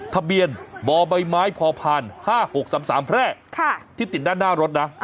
ทะเบียนบ่อใบไม้พอผ่าน๕๖๓๓แพร่ที่ติดด้านหน้ารถนะ